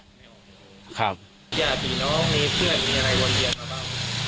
อย่าติดน้องมีเพื่อนมีอะไรวันเรียนเขาเปล่า